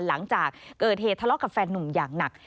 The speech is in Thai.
หลังจากเกิดเหตุทะเลาะกับแฟนนุ่มอย่างหนัก